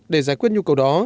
để giải quyết nhu cầu đó